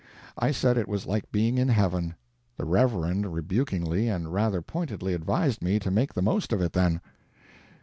I said it was like being in heaven. The Reverend rebukingly and rather pointedly advised me to make the most of it, then.